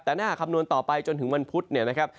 แต่ถ้าหากคำนวณต่อไปจนถึงวันพุธเนี่ยนะครับ